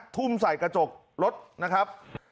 ทุ่มใส่กระจกรถนะครับ